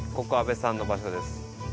ここ安倍さんの場所です。